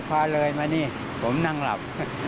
สิ่งที่จะไหวเธอนี้ผมนั่งหลับ